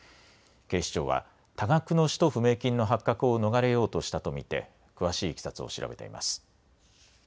警視庁は多額の使途不明金の発覚を逃れようとしたと見て詳しいいきさつを調べています。